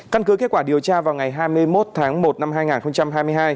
căn cứ kết quả điều tra vào ngày hai mươi một tháng một năm hai nghìn hai mươi hai